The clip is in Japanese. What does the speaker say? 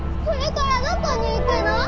これからどこに行くの？